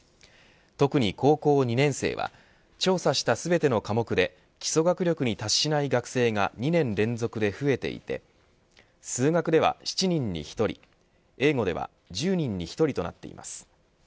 特に高校２年生は調査した全ての科目で基礎学力に達しない学生が２年連続で増えていて数学では７人に１人英語では１０人に１人となっています。